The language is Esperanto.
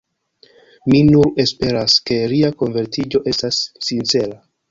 Mi nur esperas, ke lia konvertiĝo estas sincera.